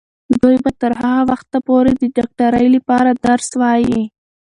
دوی به تر هغه وخته پورې د ډاکټرۍ لپاره درس وايي.